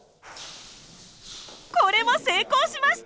これも成功しました。